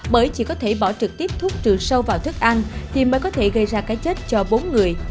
bởi chỉ có thể bỏ trực tiếp thuốc trừ sâu vào thức ăn thì mới có thể gây ra cái chết cho bốn người